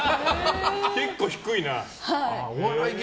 結構、低いな。